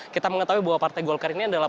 kita mengetahui bahwa partai golkar ini adalah